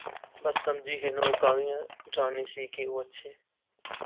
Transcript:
بس سمجھی ہنا او کاغیں ڈرانی سی کہ او اچھے